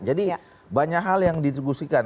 jadi banyak hal yang didistribusikan